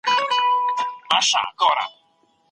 انسان خپل ځان د عکس العمل له مخې پیژني.